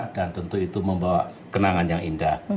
dan tentu itu membawa kenangan yang indah